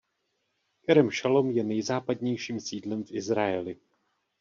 Kerem Šalom je nejzápadnějším sídlem v Izraeli.